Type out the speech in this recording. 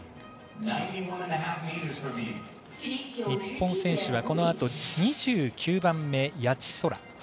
日本選手はこのあと２９番目谷地宙。